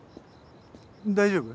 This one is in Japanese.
大丈夫？